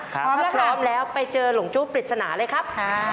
ถ้าพร้อมแล้วไปเจอหลงจู้ปริศนาเลยครับ